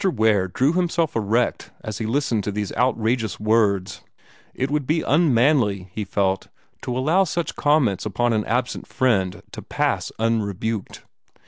Ware drew himself erect, as he listened to these outrageous words. It would be unmanly, he felt, to allow such comments upon an absent friend to pass unrebuked.